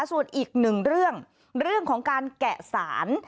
ส่วนอีกหนึ่งเรื่องเรื่องของการแกะสาร